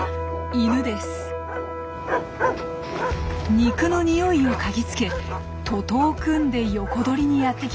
肉のにおいを嗅ぎつけ徒党を組んで横取りにやって来ました。